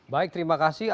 baik terima kasih